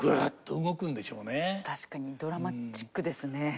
確かにドラマチックですね。